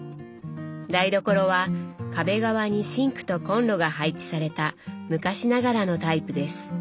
台所は壁側にシンクとコンロが配置された昔ながらのタイプです。